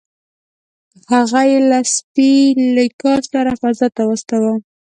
هغه یې له سپي لیکا سره فضا ته واستاوه